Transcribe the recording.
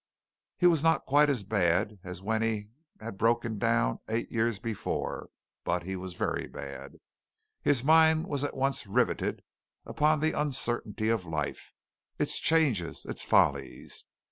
He was not quite as bad as he was when he had broken down eight years before, but he was very bad. His mind was once more riveted upon the uncertainty of life, its changes, its follies.